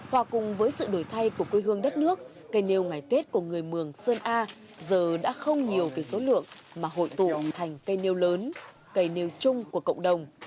hòa cùng với sự đổi thay của quê hương đất nước cây nêu ngày tết của người mường sơn a giờ đã không nhiều về số lượng mà hội tụ thành cây nêu lớn cây nêu chung của cộng đồng